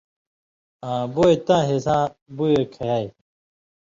آں بوئے تاں حِصاں بِیُو کھائ۔